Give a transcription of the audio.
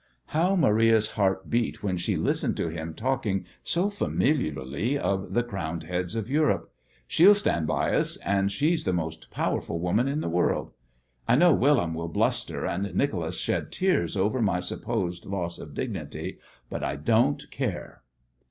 How Maria's heart beat when she listened to him talking so familiarly of the crowned heads of Europe! "She'll stand by us, and she's the most powerful woman in the world. I know Wilhelm will bluster and Nicholas shed tears over my supposed loss of dignity, but I don't care."